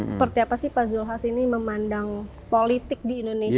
seperti apa sih pak zulhas ini memandang politik di indonesia